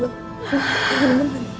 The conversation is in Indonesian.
aku harus ke sana